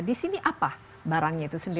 di sini apa barangnya itu sendiri